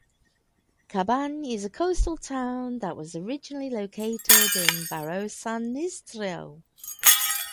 Cabangan is a coastal town that was originally located in Barrio San Isidro.